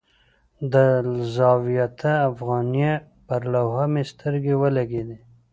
د الزاویة الافغانیه پر لوحه مې سترګې ولګېدې.